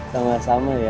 sama sama ya